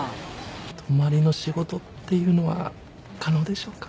泊まりの仕事っていうのは可能でしょうか？